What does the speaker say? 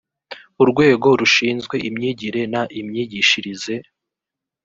urwego rushinzwe imyigire n imyigishirize